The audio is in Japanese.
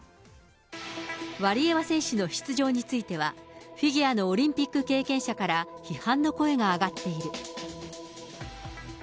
ワリエワ選手の出場については、フィギュアのオリンピック経験者から、批判の声が上がっている。